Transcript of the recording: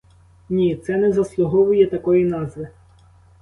Ні, це не заслуговує такої назви.